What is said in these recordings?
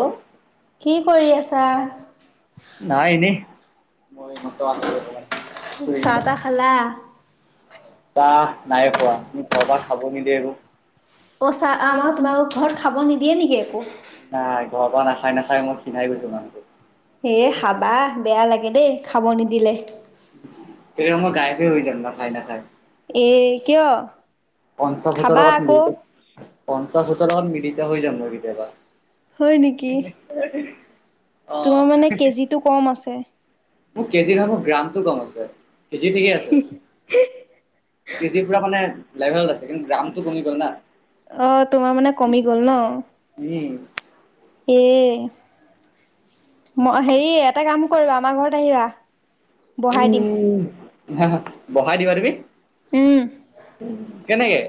অ'। কি কৰি আছা? নাই এনেই মই এইমাত্ৰ আহিলোঁ অকমান ফুৰি চাহ কেনে। তাহ খালা? চাহ নাই খোৱা ঘৰ পৰা খাব নিদিয়ে আৰু অ চাহ আ মই তোমালোকৰ ঘৰত খাব নিদিয়ে নেকি একো? নাই, ঘৰৰ পৰা নাখায় নাখায় মই ক্ষীনাই গৈছো মানুহটো। হেয় খাবা, বেয়া লাগে দেই খাব নিদিলে। হে মই গাড়ীতে বহি যাম নাখায় নাখায় এ কিয় পঞ্চাশ বছৰ খাবা লগত আকৌ। মিলত পঞ্চাশ বছৰত মিলিটো হৈ যাম মই কেতিয়াবা। [unintelligible] হয় নেকি? [unintelligible] অ' তোমাৰ মানে কেজি টো কম আছে। মোৰ কেজিৰ বাবত গ্ৰামটো কম আছে, কেজি ঠিকে আছে। কেজিৰ পৰা মানে লেভেল আছে কিন্তু গ্ৰামটো কমি গ'ল না। অ তোমাৰ মানে কমি গ'ল ন। উম, এয়ে ম হেৰি এটা কাম কৰিবা, আমাৰ ঘৰত আহিবা। বঢ়াই দিম কিহে মোক বহাই দিবা দিবি উম। কেনেকেই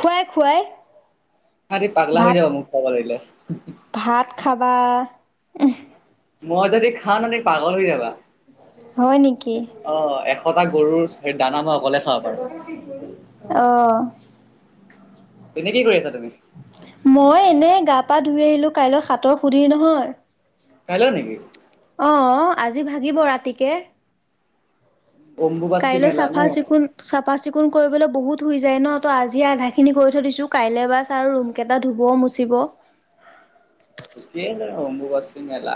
খুৱাই খুৱাই তহঁতি পাগলা হৈ ভাত যাব মোক খুৱাব লাগিলে ভাত খাবা, উহ। মই যদি খাম মানে পাগল হৈ যাবা হয় নেকি? অ এশ এটা গৰুৰ চাই দানা ন [unintelligible] [unintelligible] অ তুমি কি কৰি আছা? তুমি? মই এনেই গা পা ধুই আহিলো কাইলৈ সাঁতৰ সুধিলি নহয়। কাইলৈ নেকি? অঁ আজি ভাগিব ৰাতিকে, আ অম্বুবাচী কাইলৈ মেলা ন? চাফা চিকুণ চাফা চিকুণ কৰিবলৈ বহুত ধুই যায় ন টো আজি আধা খিনি কৰি থৈ দিছো কাইলৈ বাছ আৰু ৰুম কেইটা ধুব মুচিব [inaudible] ঠিকেই বাৰু, অম্বুবাচী মেলা।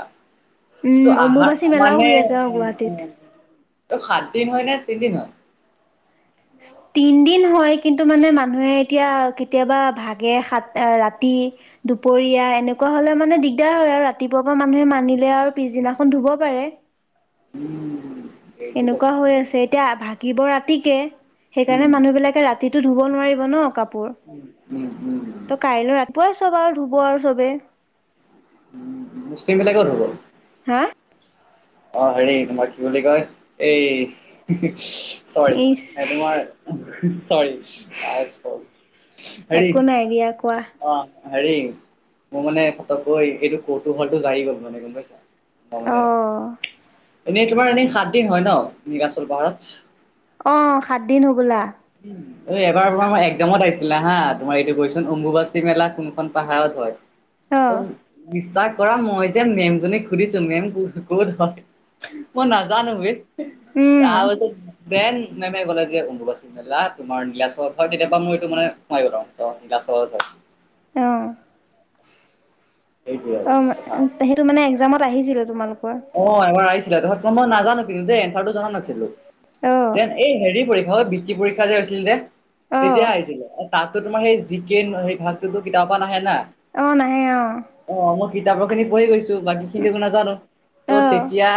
উম ত' আহা অম্বুবাচী মেলাও মানে হৈ আছে অ উ, গুৱাহাটীত। উ, উ, প্ৰসাদ। তিন হয় নে পেণ্ডিং হয় তিন দিন হয় কিন্তু মানে মানুহে এতিয়া কেতিয়াবা ভাগে সাত ৰাতি দুপৰীয়া এনেকুৱা হলে মানে দিগদাৰ হয় আৰু ৰাতিপুৱা পৰা মানুহে মানিলে আৰু পিছদিনাখন ধুব [unintelligible] উম, এইটো কথা [unintelligible] এয়া ভাগিব ৰাতি কে সেইকাৰণে উম মানুহ বিলাকে ৰাতিটো ধুব নোৱাৰিব ন কাপো উম, উম, উম। পুৱাই চোবাৰ ধুব আৰু চবেই। মুছলিমবিলাকেও ধুব। হা অ হেৰী তোমাৰ কি বুলি কয় এই চৰি ইচ এ তোমাৰ চৰি হেৰী একো নাই দিয়া কোৱা অ হেৰি মোৰ মানে ফতকৈ এইটো কৌতুহলটো জাগি গ'ল মানে গম পাইছা। মই অ মানে এনেই তোমাৰ এনেই সাত দিন হয় ন' নীলাচল পাহাৰত? অ সাত দিন হবলা উ এবাৰ এক্জামত আহিছিলা হা তোমাৰ এইটো কৈছোন অম্বুবাচী মেলা কোনখন পাহাৰত হয়। অ একডম বিশ্বাস কৰা মই যে মেমজনীক সুধিছো মেম ক ক'ত হয় মই নাজানো বে। ত উম ব্ৰেন নেমে গল যে ব মেলা তোমাৰ নীলাচলত হয় তেতিয়াপা মই এইটো মানে সোমাই গ'ল আওঁ নীলাচলত হয়। অ', সেইটোৱে আৰু অ' কথা। সেইটো মানে একজামত আহিছিলে তোমালোক অ' এবাৰ আহিছিলে তাৰপিচত মই নাজানো কিন্তু দেই এঞ্চাৰটো জনা নাছিলো অ দেন এই হেৰি পৰীক্ষ হয় বৃত্তি পৰীক্ষা যে হৈছিল নে। অ তেতিয়া আহিছিলে তাততো তোমাৰ সেই জিকে সেই ভাগটোতো কিতাপৰ পৰা নাহে না। অ' নাহে অ' কিতাপৰ খিনি পঢ়ি গৈছো বাকী খিনি একো নাজানো অ ত' তেতিয়া।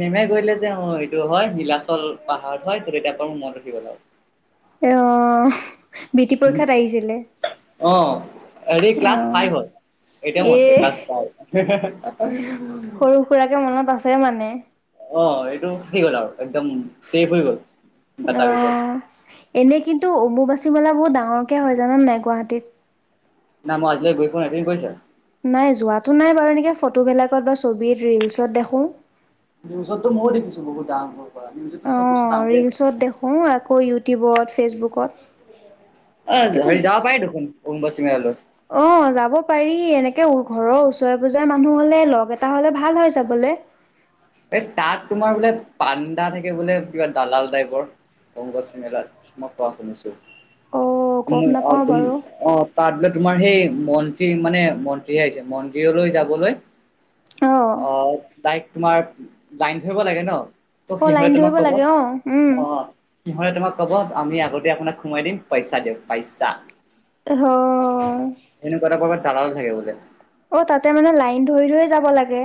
নেমে কৰিলে যে অ, এইটো হয় গিলাচ। [unintelligible] পাহাৰ হয় ত' তেতিয়াৰ পৰা মোৰ মনত ৰখি গ'ল আৰু। অ বৃত্তি পৰীক্ষাত আহিছিলে অ, হেৰি ক্লাছ অ ফাইভত। এতিয়া এ মছে ক্লাছ ফ সৰু সুৰাকে মনত আছে মানে অ' এইটো সেই গ'ল আৰু একদম চছেফ হৈ গ'ল। ডাটাবেছত অ' এনে কিন্তু অমুবাচী মেলাত বহুত ডাঙৰকে হয় জান নাই গুৱাহাটীত। নাই মই আজিলৈ গৈ পোৱা নাই তুমি গৈছা নাই যোৱাতটো নাই বাৰু এনেক ফটোবিলাকত বা ছব ৰিলচত দেখোঁ। নিউজতো ময়ো দেখিছো বহুতদাঙৰ। অ' ৰিলচত দেখোঁ আকৌ ইউটিউবত, ফেচবুকত অ, কিন্তু হৰি যাব পায়ে দেখোন অম্বুবাচী মেলালৈ। অ, যাব পাৰি এনেকে ঘৰৰ ওচৰে পাজৰে মানুহ হলে লগ এটা হলে ভাল হয় যাবলে। হয়, [inaudible] এই তাত তোমাৰ বোলে পাণ্ডা থাকে বোলে কিবা দালাল টাইপৰ। কংগ্ৰছ মেলাত মই কোৱা শুনিছো। অ' গম তুমি অ' নাপাওঁ তুমি বাৰু অ' তাত বোলে তোমাৰ সেই মন্ত্ৰী মানে মন্ত্ৰী [unintelligible] আহিছে মন্দিৰলৈ যাবলৈ অ তাইক তোমাৰ লাইন ধৰিব লাগে ন। ত' অ' লাইন সিহঁতে তোমাক ধৰিব কব লাগে অ' উম। অ' সিহঁতে তোমাক কব আমি আগতেই আপোনাক সোমাই দিম। পইচা দিওঁ পইচা। অহ, দালালো থাকে বোলে। অ' তাতে মানে লাইন ধৰি- ধৰি যাব লাগে।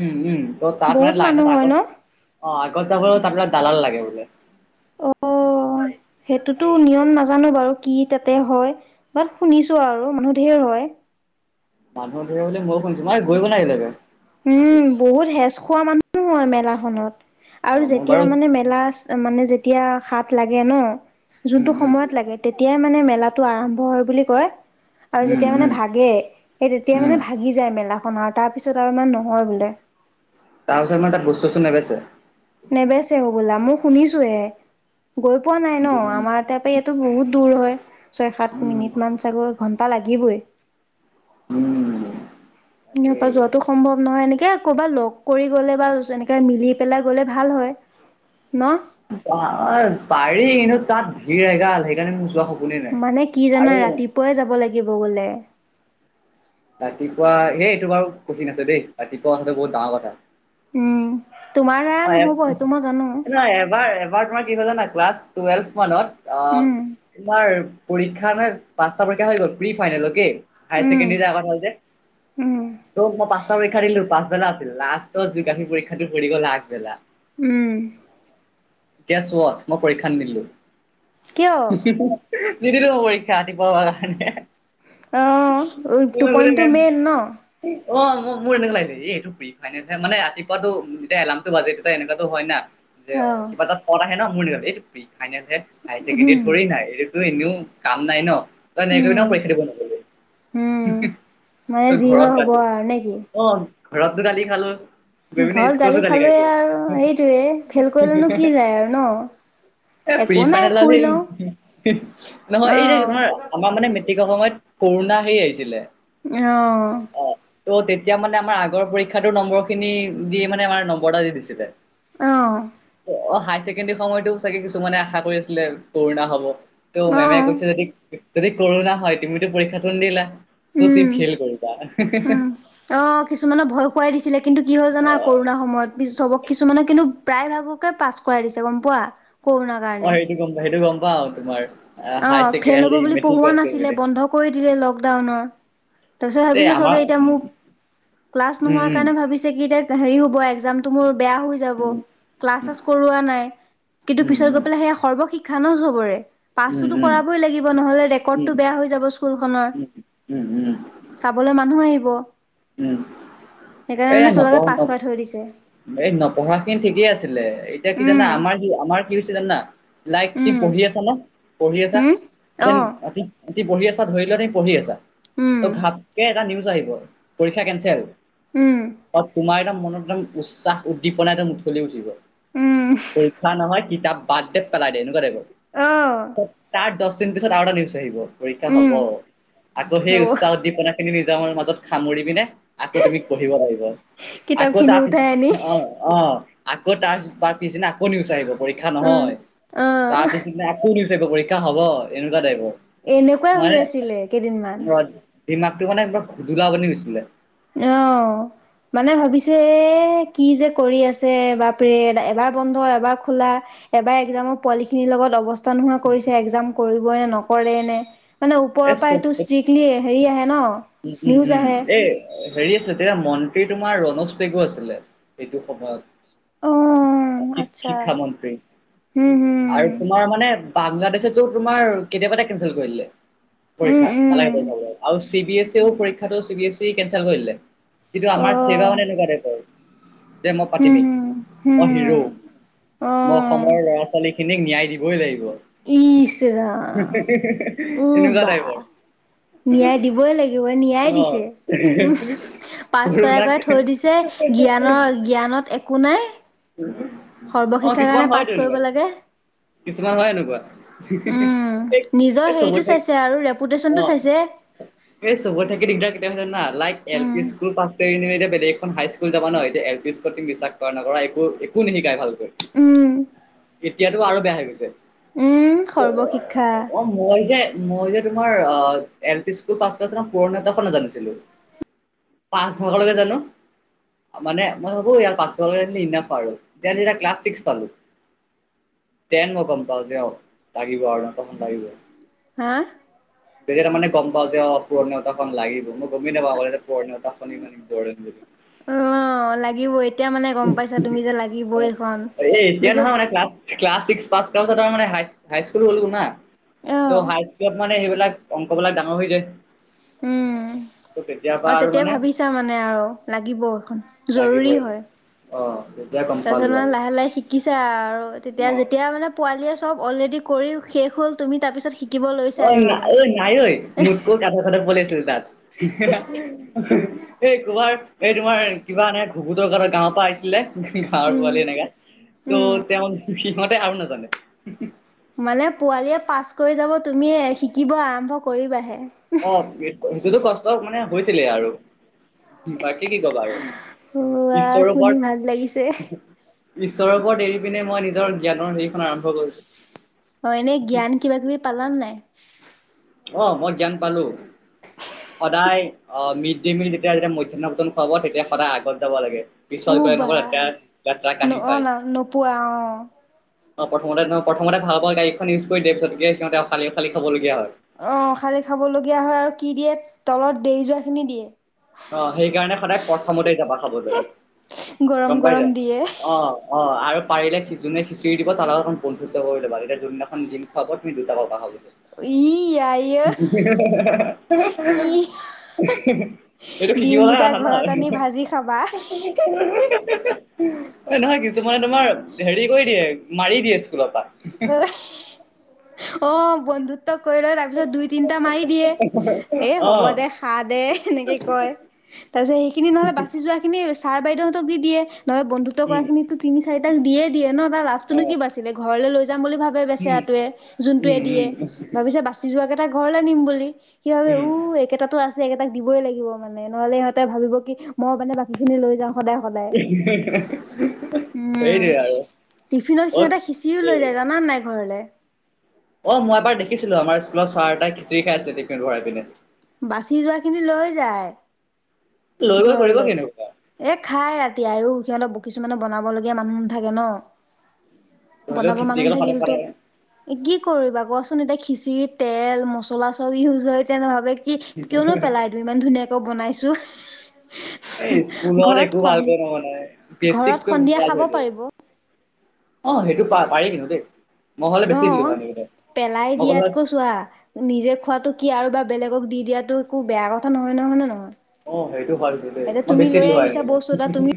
উম-উম ত তাত মানে বহুত লাইনত মানুহ হয় আগত ন? অ' আগত চাবত আপোনাক দালান লাগে বোলে। অ, সেইটোতো নিয়ম নাজানো বাৰু। কি তাতে হয় বাট শুনিছো আৰু মানুহ ধেই হয়। মানুহৰ ধৰিব বুলি ময়ো সুনিছো মই গৈ নাইলকে উম, বহুত হেচ খোৱা মানুহ হয় মেলাখনত। অ আৰু মই যেতিয়া বাৰু মানে মেলা মানে যেতিয়া হাত লাগে ন। উম যোনটো উম সময়ত লাগে তেতিয়াই মানে মেলাটো আৰম্ভ হয় বুলি কয়। আৰু উম যেতিয়া মানে উম ভাগে সেই তেতিয়া উম মানে ভাগি যায় মেলা খন আৰু তাৰপিছত তাৰমান নহয় বোলে। তাৰ পাছত নে তাত বস্তু চস্তু নেবেছে। নেবেচে হ'বলা মই শুনিছোহে গৈ পোৱা নাই ন আমাৰ তাৰাপৰা এইাতো বহুত। দুৰ হয় ছয় সাত উম মিনি চাগৈ ঘণ্টা লাগিবই। উম, ইয়াৰ তাকেই পৰা যোৱাাতটো সম্ভৱ নহয় এনেকে। ক'বাত লগ কৰি গ'লে বা এনেকে মিলি পেলাই গ'লে ভাল হয় ন। পাৰি কিন্তু তাত ভিৰ এগাল সেইকাৰণে মোক যোৱা স। মানে কি জানা ৰাতিপুৱাই যাব লাগিব গ'লে। ৰাতিপুৱা এই এইটো বাৰু কঠিন আছে দেই ৰাতিপুৱা কথাটো বহুত ডাঙৰ কথা। উম। তোমাৰ দ্বাৰা অ নহ'ব সেইটো মই জানো নহ এবাৰ এবাৰ তোমাৰ কি হ'ল জানা। ক্লাছ টুৱেলভ মানত আহ উম তোমাৰ। পৰীক্ষা নে পাঁচটা পৰীক্ষা হৈ গ'ল pre final okay. Um high secondary আগত হ'ল যে উম ত মই পাঁচটা পৰীক্ষা দিলো পাচবেলা আ। লাষ্টত জোগাফ্ৰি পৰীক্ষাতটো পৰি গ'ল আগবেলা। উম। এতিয়া চোৱা মই পৰীক্ষানিদিলো। কিয় নিদিলেও হ'ব পৰীক্ষা ৰাতিপুৱা। [unintelligible] অঁ টোপনিটো মেইন ন অ ম মোৰ এনেকুৱা লাগিলে এইটো প্ৰি ফাইনেলে মানে ৰাতিপুৱাটো যেতিয়া এলাৰ্মটো বাজে তেতিয়া এনেকুৱাতো হয় না। যে অঁ কিবা তাত পদ আহে ন মোৰ নি এইটো ফাইনেলে হায় ছেকেণ্ডৰী উম ধৰি নাই এইটো। ত এনেও কাম নাই ন তই এনেকৈ ন উম পৰীক্ষা দিব নগলি। উম মানে তই যি ঘৰত হয় হ'ব গালি আৰু নে কি অ ঘৰততটো গালি খালো। গৈ পিনে ঘৰত স্কুলতো গালি খালো খাইছো আৰু সেইটোৱে ফেল কৰিলেনো কি যায় আৰু ন। এ প্ৰি একো নাই শুই ফাইনেলালি। লওঁ অ নহয়। এই ধৰা আমাৰ মানে মেট্ৰিকৰ সময়ত কৰুণা হেৰি আহিছিলে। আহ। অ ত' তেতিয়া মানে আমাৰ আগৰ পৰীক্ষাটোৰ নম্বৰ খিনি দিয়ে মানে আমাৰ নম্বৰ এটা দি দিছিলে। অ অ হাই ছেকেণ্ডৰী সময়তো চাগে কিছুমানে আশা কৰি আছিলে কৰুণা হ'ব। ত' অ মেমে কৈছে যদি যদি কৰণা হয়। তুমিতো পৰীক্ষাটো নিদিলা। ত তুমি উম ফেইল কৰিবা। উম অ কিছুমানে ভয় খুৱাই দিছিলে কিন্তু কি হয় অ জানা কৰোণাৰ সময়ত চবক কিছুমানে কিন্তু প্ৰায় ভাগকে পাছ কৰাই দিছে গম পোৱা। কৰোণাৰ অ', কাৰণে সেইটো গম পাও সেইটো গম পাও তোমাৰ। হাই অ' ফেইল হ'ব ছেকেণ্ডাৰী বুলি মেট্ৰিক পঢ়োৱা পাছ কৰিম নাছিলে বুলি। বন্ধ কৰি দিলে লকডাউনৰ। তাৰপিছত এই ভাবিছে চবে আমাৰ এতিয়া মোক ক্লাছ উম উম নোহোৱা কাৰণে ভাবিছে কি এতিয়া হেৰি হ'ব একজামটো মোৰ। বেয়া হৈ যাব ক্লাছ চাছ কৰোৱা নাই। কিন্তু পিছত গৈ পেলায় সৰ্বশিক্ষা খানা চবৰে। উম উম উম পাছতো কৰাবই লাগিব নহ'লে উম ৰেকৰ্ডটো বেয়া হৈ যাব স্কুলখনৰ। উম উম উম উম উম উম চাবলৈ মানুহ আহিব। উম সেইকাৰণে এ মানে চবকে নকও পাছ কৰাই থৈ দিছে। এই নপঢ়াখিনি ঠিকেই আছিলে এতিয়া কি জানা উম, আমাৰ কি আমাৰ কি হৈছে জানা? লাইত দি উম, পঢ়ি আছা ন পঢ়ি আছা? হুম, অ', [unintelligible] এ পঢ়ি আছা ধৰি লোৱা তি পঢ়ি আছা উম, ত ঘপকে এটা নিউজ আহিব পৰীক্ষা কেনচেল।। উম, অ' তোমাৰ এটা মনত উছাহ উদ্দীপনা একদম [unintelligible] উঠিব। উম, পৰীক্ষা নহয় কিতাপ বাদ দে পেলাই দে এনেকুৱা তাইপৰ। অ', [unintelligible] দুদিন পিছত আৰু এটা নিউজ আহিব, পৰীক্ষা হ'ব উম, আকৈ সেই হ'ব। উচাহ উদ্দীপনা খিনি মাজত সামুৰি পিনে আকৌ তুমি পঢ়িব লাগিব। আকৌ কিতাপখিনি তাৰ উঠাই পিছত আনি, অ', অ' আকৌ তাচক [unintelligible] পিছদিনা আকৌ নিওচ আহিব পৰীক্ষা উম, নহয়। অ', তাৰ পিছদিনা আকৌ নি পৰীক্ষা হ'ব। এনেকুৱা টাইপৰ। এনেকুৱা হৈ আছিলে কেইদিনমান। সেই মাকটো মানে এবাৰ [unintelligible] বনে দিচিলে। আহ। মানে ভাবিছে কি যে কৰি আছে বাপৰে এবাৰ বন্ধ হয় এবাৰ খোলা। এবাৰ এক্জামৰ পোৱালি খিনিৰ লগত অৱস্থা নোহোৱা কৰিছে এক্জাম কৰিবই নে নকৰে নে মানে ওপৰৰ এ পৰা সটো চব ষ্ট্ৰিক্টলি হেৰি আহে ন উম উম নিউজ উম আহে। এই হেৰি আছিলে তেতিয়া মন্ত্ৰী তোমাৰ ৰনজ পেগু আছিলে এইটো সময়ত অ', আচ্ছা শিক্ষা মন্ত্ৰী হম আৰু হম তোমাৰ মানে বাংলাদেশে তোমাৰ কেতিয়াবা এটা কেনচেল কৰি দলে উম পৰীক্ষা উম। নালাগে পাব আৰু চি বি এছ পৰীক্ষাটো চি বি এছ ই কেেল কৰিলে কিন্তু আমাৰ অ', চেৱা মানে এনেকুৱাতে যে মই হম পাতিমেই হম মই হিৰো হম মই অসমৰ ল'ৰা ছোৱালীখিনিক ন্যায় দিবই লাগিব ইশৰা এনেকুৱা বা টাইপৰ ন্যায় দিবই লাগিব ন্যায় দিছে অ'। উম পাছ কৰাই কৰুণাক কৰাই থৈ দিছে জ্ঞানৰ জ্ঞানত একো নাই অ সৰ্বশিক্ষাৰ কিছুমান কাৰণে পাছ হয়ত এনে কৰিব বাৰু লাগে। কিছুমান হয় এনেকুৱা উম এই নিজৰ এই চব হেৰিটো চাইছে আৰু ৰেপুটেশচনটো অ চাইছে। এই চবত থাকে দিগদাৰ কেতিয়া জান না like L P um school প এইখন হাই স্কুল যাব ন এ যে এ পি স্কুল তুম বিশ্বাস কৰা নক কৰা একো একো নিশিকাই ভাল উম এতিয়াতো আৰু বেয়া হৈ গৈছে উম সৰ্বশিক্ষা অ মই যে মই যে তোমাৰ আহ এল পি স্কুল পাছ কুৰণেতখন নাজানিছিলো পাঁচ ভাগলৈকে জানো মানে মই ভাবোঁ ইয়াৰ পাচ ইনা পাৰালোনতিয়া ক্লাছ ছিক্স পালোঁ তেন মই গম পাওঁ যে অ লাগিব আৰু কখন লাগিব হা বতিয়া তাৰানে গম পাওঁ যে অ পুৰৰণতা খখন লাগিব ন গমি বাব এটা প ত আাপে দ অ লাগিব এতিয়া মানে গম পাইছা তুমি যে লাগিব এইখন তাৰিছত ্ুলা ত্ুলত অ মানে সেইব [inaudible] ক'বিলাক ডাঙৰ হৈ যায় উম ত' তেতিয়াৰ অ পৰা আৰু তেতিয়া মানে ভাবিছা মানে আৰু লাগিব এখন জৰুৰী লাগিবই হয় অ' তেতিয়া গম তাৰপিছত পালো মানে আৰু লাহে লাহে শিকিছো আৰু তেতিয়া অ' যেতিয়া মানে পোৱালীয়ে চব অলৰেডি কৰি শেষ হ'ল তুমি তাৰপিছত শিকা অ নাই অঐ নাই ঐ মোতকৈ কাঠৰ কতে পলাইছো এই কোমাৰ এই তোমাৰ কিবা এনে ধুকুতৰৰ গাঁৱৰ পৰা আছিলে গৱৰ উম। পোৱালি এনেকা উম, ত' তেওঁ সিহঁতে আৰু নাজানে মানে পোৱালিয়ীয়ে পাছ কৰি যাব তুমিয় শিকিব আৰম্ভ কৰিবাহে অ সেইটোতো কষ্ট মানে হৈছিলেই আৰু বাকী কি ক'বা আৰু ওৱা ঈশ্বৰৰ শুনি ভাল লাগিছে। ওপৰত ঈশ্বৰৰ ওপৰত এৰি পিনে মই নিজ নিজৰ জ্ঞানৰ হেখন আৰম্ভ কৰিছ অ এনেই জ্ঞান কিবা কিবি পালান নাই আহ মই জান পালো সদায় অ মিড ডে মিল যেতিয়া যেতিয়া মধ্যাহ্ন ভোজন খুৱাব তেতিয়া সদায় আগত যাব লাগে পিছত উ গ বা নকৰে তাত তাক ন কিন অ' পায় ন নোপোৱা অ'। অ প্ৰথমতে ন প্ৰথমতে ভাোৱা গাড়ীখন ইউজ কৰিয পিছতকে সিহতে খালি খালি খাবলগীয়া হয় অ খালি খাবলগীয়া হয় আৰু কি দিয়ে তলত দে যোৱা খিনি দিয়ে অ সেইকাৰণে সদায় প্ৰথমতে যাবা খাবলৈ গৰম গম পাই গৰম যায় দিয়ে। অ অ আৰু পাৰিলে সিজনেচি দিব তাৰ লগত বন্ধুত্ব কৰি লবা এতিয়া যোনদিনাখন দিম খাব তুমি দুটা প খাব লাগা [inaudible] ই আই অ' ই এইটো ডিম সিজিবলৈাই দুটা আহা না ঘৰত আনি ভাজি খাবা নহয়, কিছুমানে তোমাৰ হেৰি কৰি দিয়ে মাৰি দিয়ে স্কুলৰ পৰা। অ বন্ধুত কৰি লয় তাৰপিছত দুই তিনটা মাৰি দিয়ে। এ হ'ব অহ দে খা দে খা দে এনেকে কয়। তাৰ পিছত সেইখিনি নহলে বাচি যোৱা খিনি ছাৰ বাইদেউতক দি দিয়ে। নহয় বন্ধুত্ব কৰা উম খিনিতো তিনি চাৰিটাক দিয়ে দিয়ে ন তাৰ লাভটোনো অহ কিব বাচছিলে ঘৰলৈ লৈ, যাম বুলি ভাবে উম বেচেৰাটোৱে যোনটোৱে উম দিয়ে। উম ভাবিছে বাচি যোৱ কেইটা ঘৰলে নিম বুলি। কি ভাবে উম। উ একেইটাতো আছে। এই কেইটাক দিবই লাগিব মানে নহ'লে সিহতে ভাবিব কি মই মানে বাকী খিনি লৈ যাওঁ। সদায় সদায় সেইটোৱে আৰু উম টিফিনত অত সিহতে খিচিও লৈ এই যায় জানান নাই ঘৰলে। অ মই এবাৰ দেখিছিলো আমাৰ স্কুলত চাৰ এটাই খিচিৰি খাই আছিলে টিফিন ভৰাই পিনে। বাচি যোৱা খিনি লৈ যায়। লৈ গৈ কৰিব ঘৰলে, কেনেকুৱা এ খাই ৰাতি আয়ো। সিহঁত কিছুমানে বনাবলগীয়া মানুহ নাথাকে ন। হ'লেও বনাব খিচিৰি মানুহ গাল সদায় থাকিল তো সদায় এ কি কৰিবা কচোন এ তাক। খিচি তেল মছলা চব ইউজ হয় তেনে ভাবে কি কিয়নো পেলাই দিম ইমান ধুনীয়াকে। বনাইছোঁ। এই স্কুলৰ একো ভাল কৰিব মানাই ঘৰত সন্ধিয়া বেছিকৈছ খাব হৈ য পাৰিব অ সেইটো পা পাৰে কিন্তু দেই। মই হ'লে বেছি দিলো অ' হয় এনেকেইটাই পেলাই মই ক'লো হয় দিয়াতকৈ চোৱা নিজে খোৱাতটো কি আৰু বা বেলেগক দি দিয়াটো একো বেয়া কথা নহয় নহয় নহয় অ সেইটো ভালটো দেই এতিয়া মই তুমি বেছি লৈ দি হয়। আহিছা মানে, বস্তু এটা তুমি